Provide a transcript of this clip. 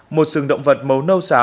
một sừng động vật màu nâu sám